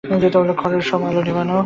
ঘরের সব আলো নেবানো।